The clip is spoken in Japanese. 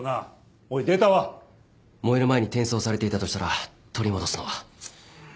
燃える前に転送されていたとしたら取り戻すのは。